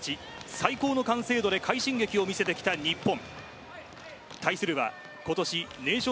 最高の完成度で快進撃を見せてきた日本。